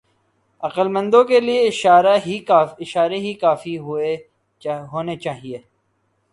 عقلمندوں کے لئے اشارے ہی کافی ہونے چاہئیں۔